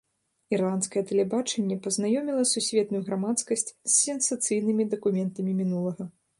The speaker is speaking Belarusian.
Ірландскае тэлебачанне пазнаёміла сусветную грамадскасць з сенсацыйнымі дакументамі мінулага.